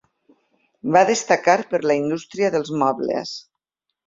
Va destacar per la indústria dels mobles.